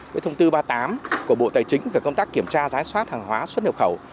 cái thông tư ba mươi tám của bộ tài chính về công tác kiểm tra giá soát hàng hóa xuất nhập khẩu